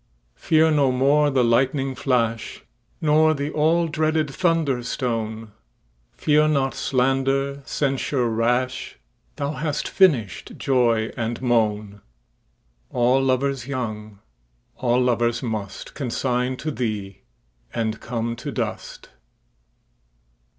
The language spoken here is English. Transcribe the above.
Fear no more the lightning flash, Nor the all dreaded thunder stone; Fear not slander, censure rash; Thou hast finish'd joy and moan:All lovers young, all lovers mustConsign to thee, and come to dust.